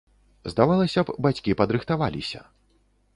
Здавалася б, бацькі падрыхтаваліся.